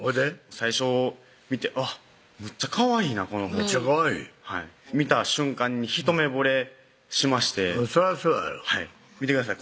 最初見てあっむっちゃかわいいなこの子むっちゃかわいい見た瞬間に一目惚れしましてそらそうやろ見てください